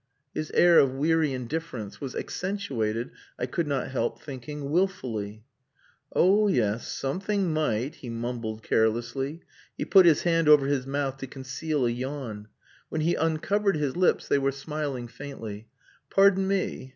His air of weary indifference was accentuated, I could not help thinking, wilfully. "Oh yes. Something might," he mumbled carelessly. He put his hand over his mouth to conceal a yawn. When he uncovered his lips they were smiling faintly. "Pardon me.